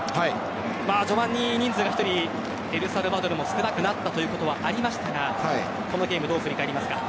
序盤に人数が１人エルサルバドルが少なくなったということはありましたがこのゲームをどう振り返りますか？